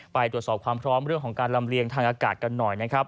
ไปตรวจสอบความพร้อมเรื่องของการลำเลียงทางอากาศกันหน่อยนะครับ